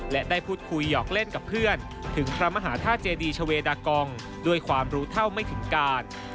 และได้พูดคุยหยอกเล่นกับเพื่อนถึงพระมหาธาตุเจดีชาเวดากองด้วยความรู้เท่าไม่ถึงการ